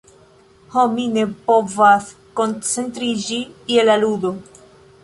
Ho, mi ne povas koncentriĝi je la ludo...